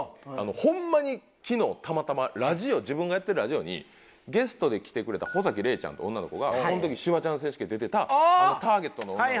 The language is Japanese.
ホンマに昨日たまたまラジオ自分がやってるラジオにゲストで来てくれた保麗ちゃんって女の子がこの時「シュワちゃん選手権」に出てたターゲットの女の子。